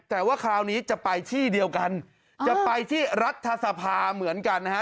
แต่ว่าคราวนี้จะไปที่เดียวกันจะไปที่รัฐสภาเหมือนกันนะฮะ